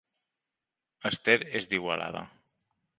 Esther és d'Igualada